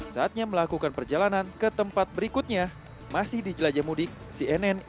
saatnya melakukan perjalanan ke tempat berikutnya masih di jelajah mudik cnn indonesia